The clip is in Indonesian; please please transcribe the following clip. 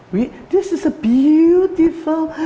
ini adalah pakaian yang indah